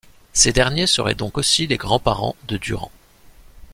Ces derniers seraient donc aussi les grands-parents de Durand.